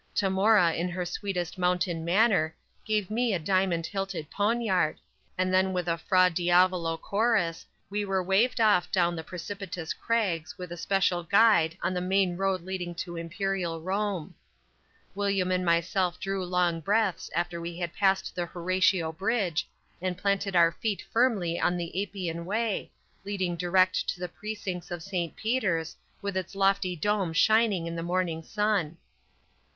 Tamora in her sweetest mountain manner gave me a diamond hilted poniard, and then with a Fra Diavolo chorus, we were waved off down the precipitous crags with a special guide on the main road leading to imperial Rome. William and myself drew long breaths after we had passed the Horatio Bridge, and planted our feet firmly on the Appian Way, leading direct to the precincts of Saint Peter's, with its lofty dome shining in the morning sun.